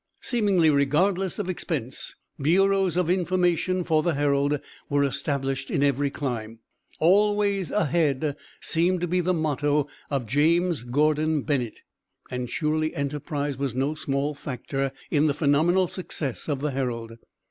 Seemingly regardless of expense, bureaus of information for the Herald were established in every clime. 'Always ahead' seemed to be the motto of James Gordon Bennett, and surely enterprise was no small factor in the phenomenal success of the Herald.